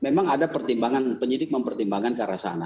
memang ada pertimbangan penyidik mempertimbangkan ke arah sana